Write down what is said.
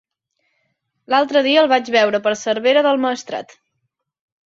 L'altre dia el vaig veure per Cervera del Maestrat.